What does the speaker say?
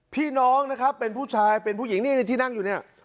พี่น้องนะครับเป็นผู้ชายเป็นผู้หญิงนี่ที่นั่งอยู่เนี่ย